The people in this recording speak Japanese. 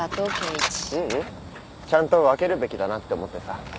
ううん。ちゃんと分けるべきだなって思ってさ。